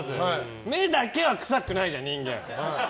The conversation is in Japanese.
目だけは臭くないじゃん、人間。